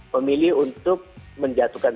pemilih untuk menjatuhkan